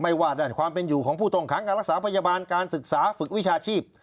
ว่าด้านความเป็นอยู่ของผู้ต้องขังการรักษาพยาบาลการศึกษาฝึกวิชาชีพ